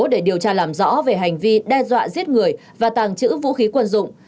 để điều tra làm rõ về hành vi đe dọa giết người và tàng trữ vũ khí quân dụng